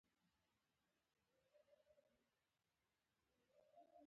په هر موسم کې ورځنی ژوند دوام لري